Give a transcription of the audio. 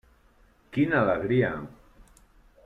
Quina alegria!